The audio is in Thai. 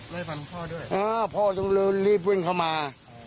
ไล่ฟันพ่อด้วยอ่าพ่อต้องเริ่มรีบวิ่งเข้ามาอ๋อ